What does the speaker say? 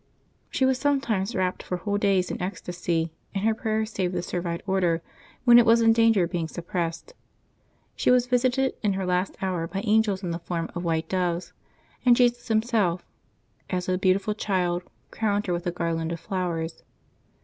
She was sometimes rapt for whole days in ecstasy, and her prayers saved the Servite Order when it was in danger of being suppressed. She was visited in her last hour by angels in the form of white doves, and Jesus Himself, as a beautiful child, crowned her with a garland of flowers.